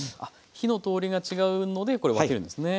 火の通りが違うのでこれを分けるんですね。